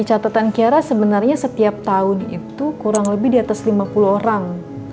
catatan kiara sebenarnya setiap tahun itu kurang lebih di atas lima puluh orang